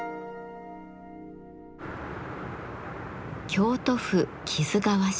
京都府木津川市。